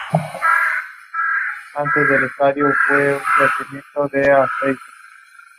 Se han introducido los Premios al Joven Investigador Vasco en colaboración con Bizkaia Talent.